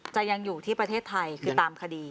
ยังอยู่ที่ประเทศไทยคือตามคดี